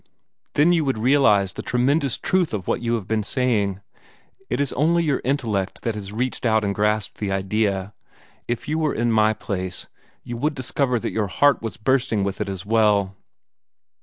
"Then you would realize the tremendous truth of what you have been saying. It is only your intellect that has reached out and grasped the idea. If you were in my place, you would discover that your heart was bursting with it as well."